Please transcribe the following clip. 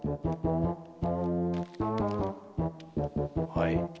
はい。